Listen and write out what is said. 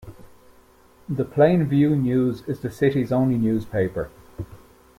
The "Plainview News" is the city's only newspaper.